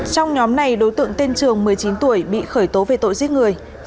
trong nhóm này đối tượng tên trường một mươi chín tuổi bị khởi tố về tội giết người